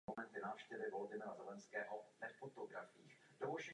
Obec se nachází ve střední části Liptovské kotliny severovýchodně od města Liptovský Mikuláš.